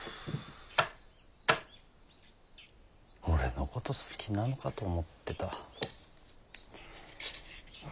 俺のこと好きなのかと思ってた。